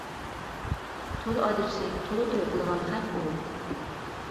تولا ئاجرىشىپ تولا توي قىلىدىغان خەق ئۇ.